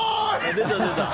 出た、出た。